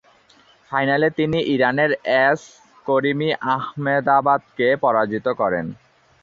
ফাইনালে তিনি ইরানের এস করিমী আহমেদাবাদকে পরাজিত করেন।